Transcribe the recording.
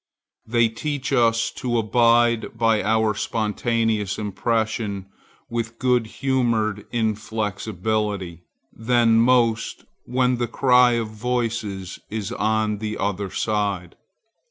They teach us to abide by our spontaneous impression with good humored inflexibility then most when the whole cry of voices is on the other side.